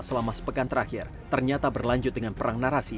selama sepekan terakhir ternyata berlanjut dengan perang narasi